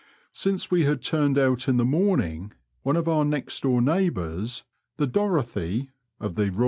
Since we had turned out in the morning, one of our next door neighbours — the Dorothy, of the K.H.